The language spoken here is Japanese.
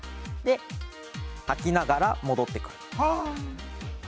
吐きながら、戻ってくる。